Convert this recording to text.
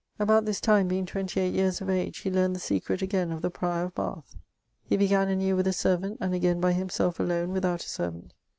About this time being 28 yeares of age, he learned the secret againe of the prior of Bathe. He began anew with a servant, and againe by himselfe alone without a servant.